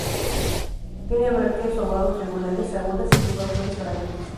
Tiene brácteas ovado-triangulares, agudas y lleva flores fragantes.